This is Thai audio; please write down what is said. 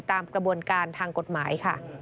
ตามกระบวนการทางกฎหมายค่ะ